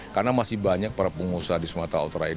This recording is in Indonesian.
karena masih banyak para pengusaha di sumatera